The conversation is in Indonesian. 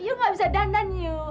yu nggak bisa dandan yu